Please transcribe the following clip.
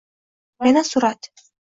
Yana surat…